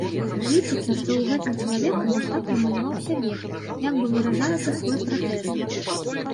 Лічыцца, што ў гэтым чалавеку мастак намаляваў сябе, як бы выражаючы свой пратэст.